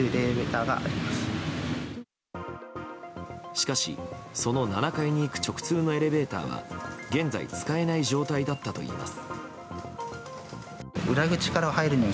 しかし、その７階に行く直通のエレベーターは現在、使えない状態だったといいます。